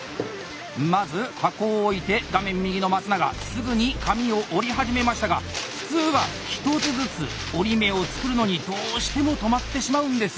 まず箱を置いて画面右の松永すぐに紙を折り始めましたが普通は１つずつ折り目を作るのにどうしても止まってしまうんですよね。